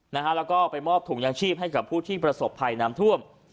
แล้วก็ไปมอบถุงยางชีพให้กับผู้ที่ประสบภัยน้ำท่วม